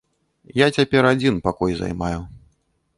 Я цяпер адзін пакой займаю.